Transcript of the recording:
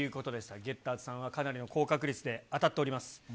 ゲッターズさんはかなり高確率で当たっております。